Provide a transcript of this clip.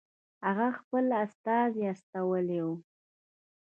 هغه خپل استازی استولی وو.